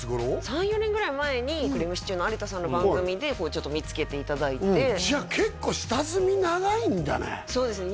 ３４年ぐらい前にくりぃむしちゅーの有田さんの番組でちょっと見つけていただいてじゃあ結構そうですね